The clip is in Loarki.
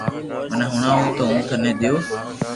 مني ھڻاو تو ھون ٽني ديو